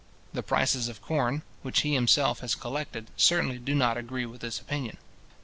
The prices of corn, which he himself has collected, certainly do not agree with this opinion.